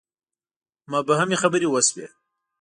مبهمې خبرې وشوې.